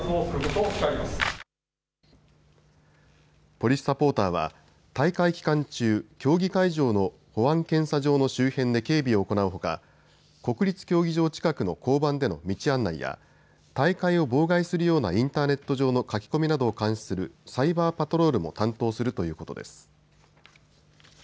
ポリスサポーターは大会期間中、競技会場の保安検査場の周辺で警備を行うほか国立競技場近くの交番での道案内や大会を妨害するようなインターネット上の書き込みなどを監視するサイバーパトロールも担当するということです。